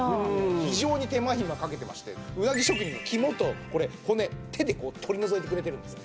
非常に手間暇かけてましてうなぎ職人が肝とこれ骨手でこう取り除いてくれてるんですよ。